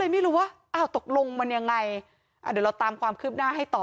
ไม่รู้ว่าอ้าวตกลงมันยังไงเดี๋ยวเราตามความคืบหน้าให้ต่อ